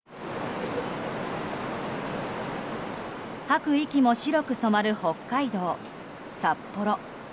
吐く息も白く染まる北海道札幌。